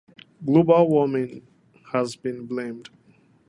Global warming has been blamed.